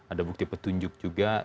ada bukti petunjuk juga